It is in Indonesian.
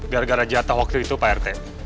gara gara jatah waktu itu pak rt